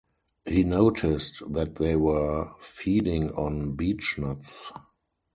He noticed that they were feeding on beechnuts.